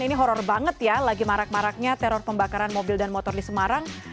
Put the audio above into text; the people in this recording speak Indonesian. ini horror banget ya lagi marak maraknya teror pembakaran mobil dan motor di semarang